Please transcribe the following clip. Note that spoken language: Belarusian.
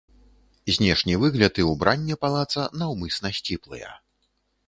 Знешні выгляд і ўбранне палаца наўмысна сціплыя.